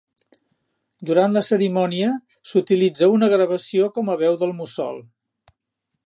Durant la cerimònia, s'utilitza una gravació com a veu del Mussol.